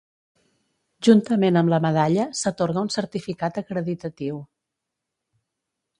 Juntament amb la medalla s'atorga un certificat acreditatiu.